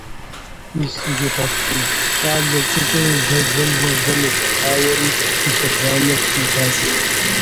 Щӏалэ цӏыкӏур здэжэм, мывэм елъэпауэри и лъэбжьанэр триудащ.